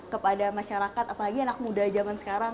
kepada masyarakat apalagi anak muda zaman sekarang